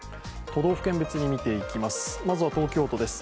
都道府県別に見ていきます。